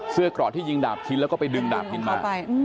เกราะที่ยิงดาบชิ้นแล้วก็ไปดึงดาบชินมา